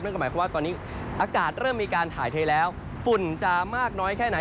ก็หมายความว่าตอนนี้อากาศเริ่มมีการถ่ายเทแล้วฝุ่นจะมากน้อยแค่ไหน